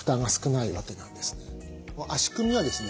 足組みはですね